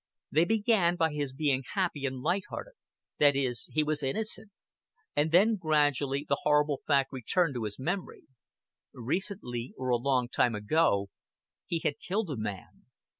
They began by his being happy and light hearted, that is, he was innocent; and then gradually the horrible fact returned to his memory. Recently, or a long time ago, he had killed a man.